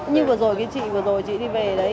như vừa rồi với chị vừa rồi chị đi về đấy